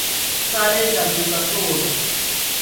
کالے جادو کا توڑ